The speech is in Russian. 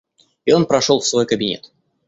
И он прошел в свой кабинет.